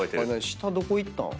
下どこ行ったん？